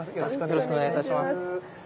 よろしくお願いします。